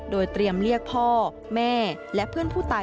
โดยเตรียมเรียกพ่อแม่และเพื่อนผู้ตาย